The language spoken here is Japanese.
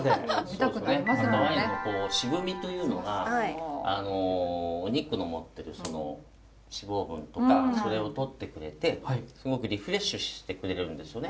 そうですね赤ワインの渋みというのがお肉の持ってる脂肪分とかそれを取ってくれてすごくリフレッシュしてくれるんですよね。